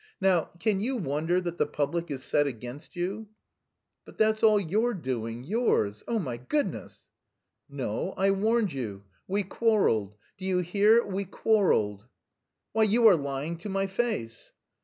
Now, can you wonder that the public is set against you?" "But that's all your doing, yours! Oh, my goodness!" "No, I warned you. We quarrelled. Do you hear, we quarrelled?" "Why, you are lying to my face!"